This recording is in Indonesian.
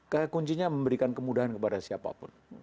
kayak kuncinya memberikan kemudahan kepada siapapun